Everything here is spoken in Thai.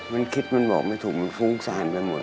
มันคิดมันบอกไม่ถูกมันฟุ้งสานไปหมด